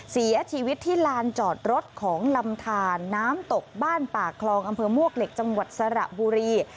เสียชีวิตที่ลานจอดรถของลำทานน้ำตกบ้านป่าคลองอำเภอมวกเหล็กจังหวัดสระบุรี